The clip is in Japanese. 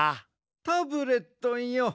タブレットンよ